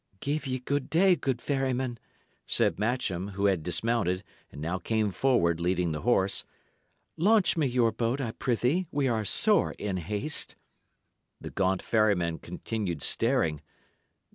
"Give ye good day, good ferryman," said Matcham, who had dismounted, and now came forward, leading the horse. "Launch me your boat, I prithee; we are sore in haste." The gaunt ferryman continued staring.